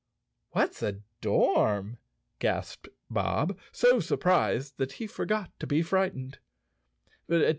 "What's a dorm?" gasped Bob, so surprised that he forgot to be frightened.